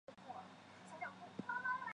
托比亚克站是巴黎地铁的一个车站。